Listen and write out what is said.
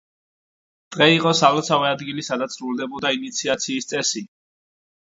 ტყე იყო სალოცავი ადგილი, სადაც სრულდებოდა ინიციაციის წესი.